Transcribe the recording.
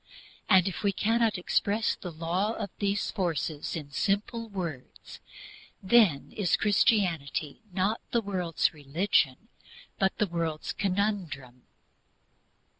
And if we cannot express the law of these forces in simple words, then is Christianity not the world's religion, but the world's conundrum.